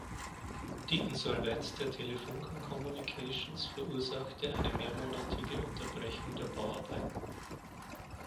Die Insolvenz der Telefunken Communications verursachte eine mehrmonatige Unterbrechung der Bauarbeiten.